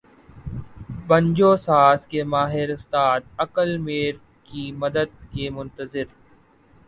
بنجو ساز کے ماہر استاد عقل میر کی مدد کے منتظر